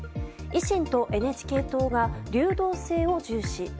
維新とＮＨＫ党が流動性を重視。